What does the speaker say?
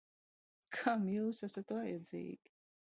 Kam jūs esat vajadzīgi?